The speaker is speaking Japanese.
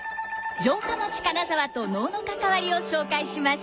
城下町金沢と能の関わりを紹介します。